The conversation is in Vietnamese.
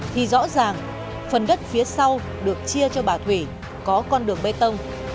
thì rõ ràng phần đất phía sau được chia cho bà thủy có con đường bê tông